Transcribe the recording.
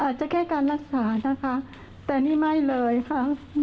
อาจจะแค่การรักษานะคะแต่นี่ไม่เลยค่ะ